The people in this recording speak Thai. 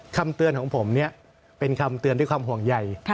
คำเตือนของผมเนี่ยเป็นคำเตือนด้วยความห่วงใหญ่